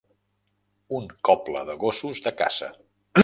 Un coble de gossos de caça.